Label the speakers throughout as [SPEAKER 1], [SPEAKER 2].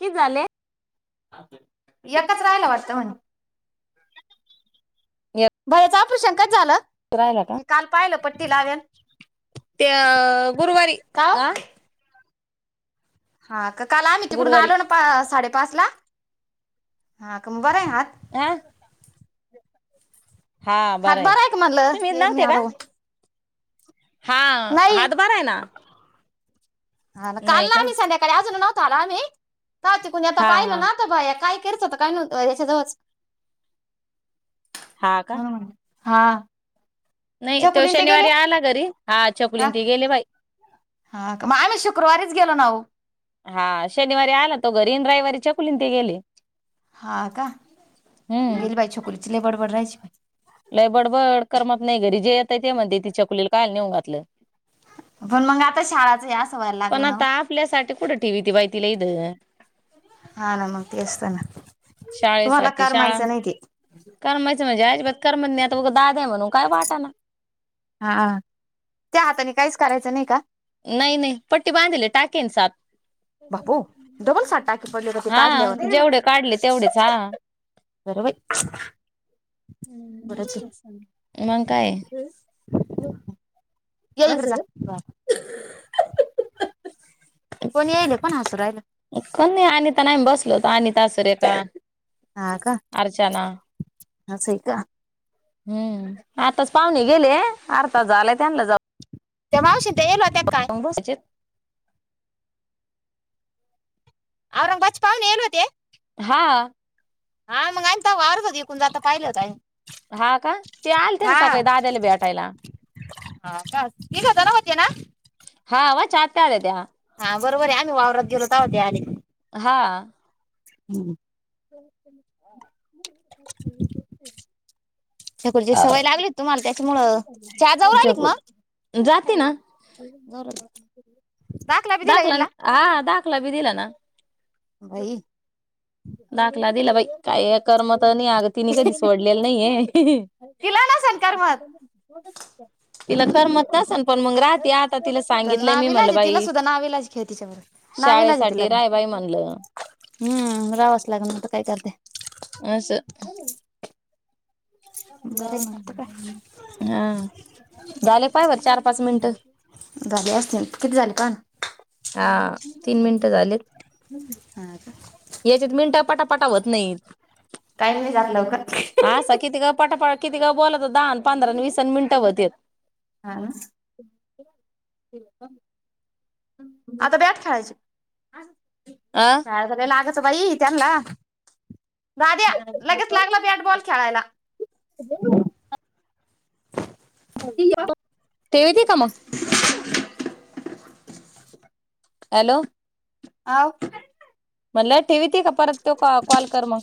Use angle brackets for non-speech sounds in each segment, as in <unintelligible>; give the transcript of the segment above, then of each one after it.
[SPEAKER 1] कि झाले?
[SPEAKER 2] <inaudible> एकच राहिला वाटतं म्हणे!
[SPEAKER 1] <unintelligible>
[SPEAKER 2] भैय्याचा ऑपरेशन कधी झालं?
[SPEAKER 1] राहिला का?
[SPEAKER 2] मी काल पाहिल पटी लागन
[SPEAKER 1] ते गुरुवारी
[SPEAKER 2] <inaudible> का ओ.
[SPEAKER 1] आ
[SPEAKER 2] हा का, काल आम्ही तिकडून
[SPEAKER 1] गुरुवारी
[SPEAKER 2] आलो ना, पा साडेपाच ला हा का, मग बरं हाय ना आत
[SPEAKER 1] <unintelligible> हा
[SPEAKER 2] हात
[SPEAKER 1] बरं
[SPEAKER 2] बरा आहे का
[SPEAKER 1] तुम्ही
[SPEAKER 2] म्हणलं?
[SPEAKER 1] येत नव्हते का?
[SPEAKER 2] <unintelligible>
[SPEAKER 1] हा,
[SPEAKER 2] नाही
[SPEAKER 1] हात बरा आहे ना.
[SPEAKER 2] हा ना, काल
[SPEAKER 1] नाही
[SPEAKER 2] ना
[SPEAKER 1] का
[SPEAKER 2] आम्ही संध्याकाळी अजून नव्हता आलो आम्ही. त कुणी आता
[SPEAKER 1] हा
[SPEAKER 2] पाहिलं
[SPEAKER 1] हा
[SPEAKER 2] ना, तर भाया काय करती होता काय न्हवत याच्याजवळच
[SPEAKER 1] हा का
[SPEAKER 2] बरोबर, हा!
[SPEAKER 1] नाही, तो
[SPEAKER 2] छकुलीन ते गेले
[SPEAKER 1] शनिवारी आला घरी, हा छकुलीन ते गेले बाई.
[SPEAKER 2] हा का, मग आम्ही शुक्रवारीच गेलो ना वो.
[SPEAKER 1] हा! शनिवारी आला तो घरी न रविवारी छकुलीन ते गेले.
[SPEAKER 2] हा का!
[SPEAKER 1] हम्म
[SPEAKER 2] गेली बाई छकुलीची लय बडबड राहायची.
[SPEAKER 1] लय बडबड करमत नाही. घरी जे येतयं ते म्हणते, त्या छकुलीला कायला नेऊन घातलं.
[SPEAKER 2] पण मग आता शाळाचं हे अस व्हयला
[SPEAKER 1] पण
[SPEAKER 2] लागलं ना ओ.
[SPEAKER 1] आता आपल्यासाठी कुड ठेवीती बाई तिला ईद.
[SPEAKER 2] हा ना. मग तेच त ना. तुम्हाला
[SPEAKER 1] शाळेसाठी शाळा
[SPEAKER 2] करमायच नाही ते.
[SPEAKER 1] करमायचं म्हणजे अजिबात करमत नाही. आता उग दाद्याय म्हणून काय वाटाना.
[SPEAKER 2] हा, त्या हाताने काहीच करायचं नाही का?
[SPEAKER 1] नाही नाही. पट्टी बांधलेले. टाकेय ना, सात.
[SPEAKER 2] बापू डबल साठ टाके पडले का ते
[SPEAKER 1] हा,
[SPEAKER 2] काढल्यावर
[SPEAKER 1] जेवढे काढले तेवढेच, हा.
[SPEAKER 2] बरबाई.
[SPEAKER 1] मग काये?
[SPEAKER 2] ये इकड चाल. कोण येयले? कोण हासू राहिल?
[SPEAKER 1] कोण नाही, अनिता न आम्ही बसलो होतो. अनिता सुरेखा.
[SPEAKER 2] हा का?
[SPEAKER 1] अर्चना
[SPEAKER 2] असय का?
[SPEAKER 1] हम्म, आत्ताच पाहुणे गेले. अर्धा तास झाला त्यांला जाऊ.
[SPEAKER 2] त्या मावशीन त्या येयेल होत्या का?
[SPEAKER 1] बसचेत.
[SPEAKER 2] औरंगाबाद चे पाहुणे येयल होते?
[SPEAKER 1] हा.
[SPEAKER 2] हा मग आम्ही तवा वारात होते. इकून जातन पाहिल होत आम्ही.
[SPEAKER 1] हा का? ते आलते ना
[SPEAKER 2] हा
[SPEAKER 1] सकाळी दाद्याला भेटायला.
[SPEAKER 2] हा का? तिघे जण होते ना?
[SPEAKER 1] हा, वच्या आत्या होत्या त्या.
[SPEAKER 2] हा बरोबरे. आम्ही वावरात गेलो तवा ते आले.
[SPEAKER 1] हा.
[SPEAKER 2] हम्म.
[SPEAKER 1] ते <inaudible>
[SPEAKER 2] छकूलीची सवय लागली होती तुम्हाला त्याच्यामुळं. शाळात जावू रायली का म?
[SPEAKER 1] जाती ना.
[SPEAKER 2] दाखला बी दिला इडला
[SPEAKER 1] दाखलान हा, दाखला बी दिला ना.
[SPEAKER 2] भाई.
[SPEAKER 1] दाखला दिला बाई. काय करमत नाही अग. तिने कधी सोडलेलं नाहीये.
[SPEAKER 2] तिला नसन करमत.
[SPEAKER 1] तिला करमत नसल पण मग, राहते आता तिला
[SPEAKER 2] तर
[SPEAKER 1] सांगितलंय. मी
[SPEAKER 2] नाविलाज
[SPEAKER 1] म्हणल
[SPEAKER 2] आहे तिला
[SPEAKER 1] बाई
[SPEAKER 2] सुद्धा नाविलाज खेळ तिच्या बरोबर नाविलाज आहे तिला
[SPEAKER 1] शाळेसाठी
[SPEAKER 2] बी
[SPEAKER 1] राहाय बाई म्हणल.
[SPEAKER 2] हम्म, राहवच लागण आत्ता काय करत्या.
[SPEAKER 1] अस.
[SPEAKER 2] बरं आहे मग तर काय
[SPEAKER 1] हा, झाले पाहाय बर चार पाच मिनटं.
[SPEAKER 2] झाली असतीन. किती झाले पाहा ना?
[SPEAKER 1] हा, तीन मिनटं झालेत.
[SPEAKER 2] हा का?
[SPEAKER 1] याच्यात मिनट पटापटा होत नाहीत.
[SPEAKER 2] टाईम नाही जात लवकर.
[SPEAKER 1] आसा कितीक पटापटा कितीक बोलात दहान पंधरा वीसान मिनिटं होते.
[SPEAKER 2] हा ना?
[SPEAKER 1] ते का?
[SPEAKER 2] आता बॅट खेळायच
[SPEAKER 1] आ
[SPEAKER 2] लागायंच बाई त्यांना दाद्या, लगेच लागलं बॅटबॉल खेळायला.
[SPEAKER 1] ह <inaudible> तेवेती का मग <inaudible>
[SPEAKER 2] <unintelligible>
[SPEAKER 1] हॅलो
[SPEAKER 2] हा
[SPEAKER 1] म्हणलं ठेवीती का परत तो कॉल कर मग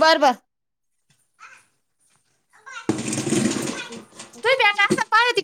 [SPEAKER 2] बर बर तू बॅट
[SPEAKER 1] <unintelligible>
[SPEAKER 2] असं पाय